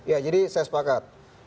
ya jadi saya sepakat